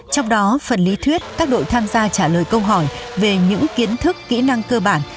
trong đó phần lý thuyết các đội tham gia trả lời câu hỏi về những kiến thức kỹ năng cơ bản